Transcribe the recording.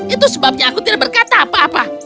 itu sebabnya aku tidak berkata apa apa